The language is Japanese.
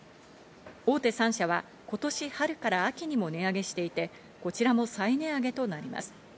大手３社は今年春から秋にも値上げしていて、こちらも再値上げとなります。